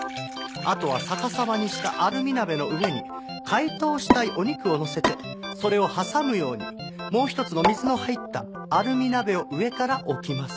あとは逆さまにしたアルミ鍋の上に解凍したいお肉をのせてそれを挟むようにもう一つの水の入ったアルミ鍋を上から置きます。